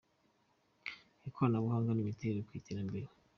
ikoranabuhanga n’imibare ku iterambere.